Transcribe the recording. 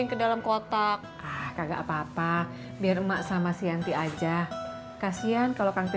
tolong rintik sekal pai